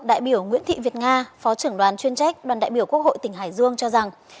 đại biểu nguyễn thị việt nga phó trưởng đoàn chuyên trách đoàn đại biểu quốc hội tỉnh hải dương cho rằng